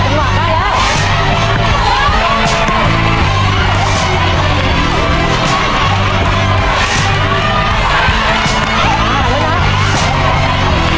เฮ้ยนี่ยิ่งมาก